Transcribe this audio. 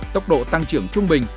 tốc độ tăng trưởng trung bình